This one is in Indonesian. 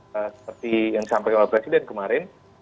seperti yang disampaikan oleh presiden kemarin